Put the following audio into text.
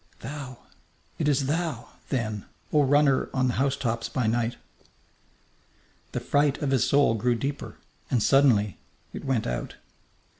"Thou! It is thou, then, O runner on the housetops by night!" The fright of his soul grew deeper, and suddenly it went out.